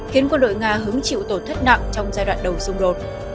khiến quân đội nga hứng chịu tổn thất nặng trong giai đoạn đầu xung đột